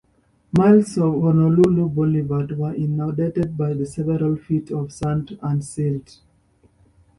Miles of Honolulu Boulevard were inundated by several feet of sand and silt.